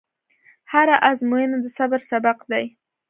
هره ازموینه د صبر سبق دی.